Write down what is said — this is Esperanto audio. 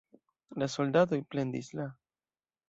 La soldatoj plendis La.